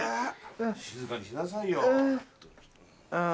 静かにしなさいよ。